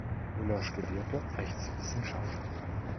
Müller studierte Rechtswissenschaften.